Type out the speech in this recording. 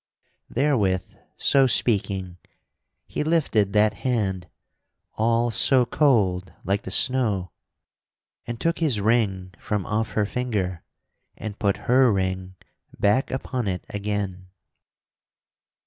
Therewith, so speaking, he lifted that hand (all so cold like the snow) and took his ring from off her finger and put her ring back upon it again.